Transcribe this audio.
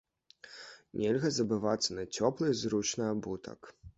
Нельга забывацца на цёплы і зручны абутак.